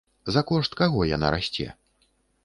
За кошт каго яна расце?